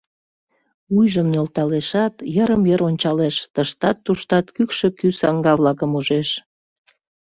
Вуйжым нӧлталешат, йырым-йыр ончалеш, тыштат-туштат кӱкшӧ кӱ саҥга-влакым ужеш.